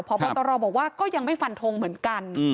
พบตรบอกว่าก็ยังไม่ฟันทงเหมือนกัน